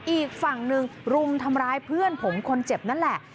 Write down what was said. อีกฝั่งหนึ่งรุมทำร้ายเพื่อนผมคนเจ็บนั่นแหละ